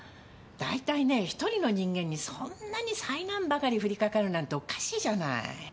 だいたいね１人の人間にそんなに災難ばかりふりかかるなんておかしいじゃない。